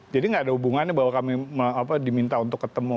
jadi gak ada hubungannya bahwa kami diminta untuk ketemu